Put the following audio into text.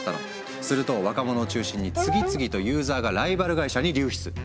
すると若者を中心に次々とユーザーがライバル会社に流出。